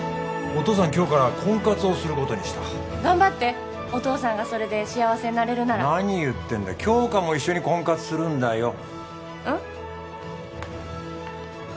お父さん今日から婚活をすることにした頑張ってお父さんがそれで幸せになれるなら何言ってんだ杏花も一緒に婚活するんだようん？